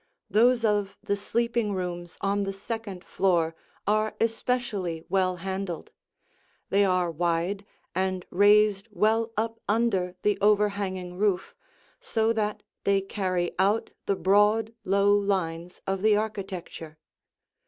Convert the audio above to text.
Those of the sleeping rooms on the second floor are especially well handled; they are wide and raised well up under the overhanging roof, so that they carry out the broad low lines of the architecture.